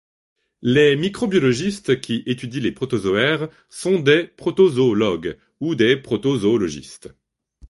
Les microbiologistes qui étudient les protozoaires sont des protozoologues ou des protozoologistes.